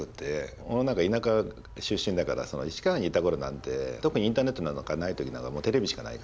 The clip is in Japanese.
俺なんか田舎出身だから石川にいた頃なんて特にインターネットなんかない時なんかテレビしかないからね。